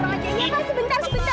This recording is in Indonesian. apa apa dua orang aja